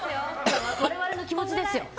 我々の気持ちですよ。